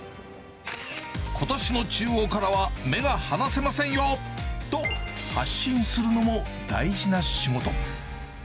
ことしの中央からは目が離せませんよと、発信するのも大事な仕事。